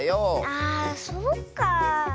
あそうかあ。